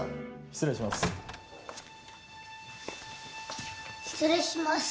失礼します。